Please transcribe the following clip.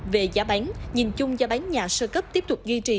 về giá bán nhìn chung giá bán nhà sơ cấp tiếp tục duy trì